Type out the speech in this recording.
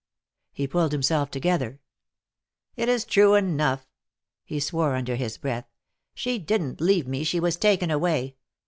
He pulled himself together. "It's true enough." He swore under his breath. "She didn't leave me. She was taken away.